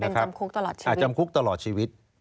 ค่ะเป็นจำคุกตลอดชีวิต